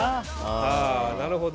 あなるほど。